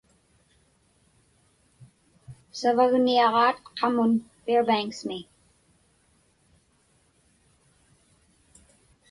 Savagniaġaat qamun Fairbanks-mi.